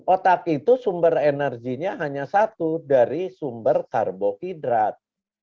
otak itu sumber energinya hanya satu dari sumber karbohidrat